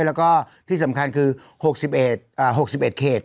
แล้วก็ที่สำคัญคือ๖๑เขต